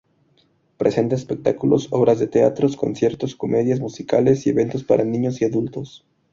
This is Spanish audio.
Presenta espectáculos, obras de teatros, conciertos, comedias, musicales y eventos para niños y adultos.